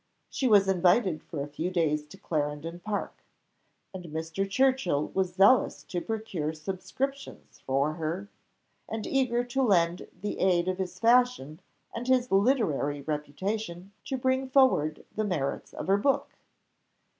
She was invited for a few days to Clarendon Park, and Mr. Churchill was zealous to procure subscriptions for her, and eager to lend the aid of his fashion and his literary reputation to bring forward the merits of her book.